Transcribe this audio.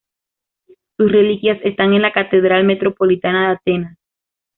Sus reliquias están en la Catedral Metropolitana de Atenas.